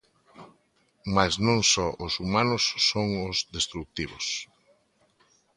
Mais non só os humanos son os destrutivos.